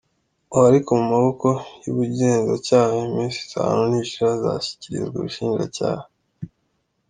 Ubu ari mu maboko y’ubugenzacyaha, iminsi itanu nishira azashyikirizwa ubushinjacyaha.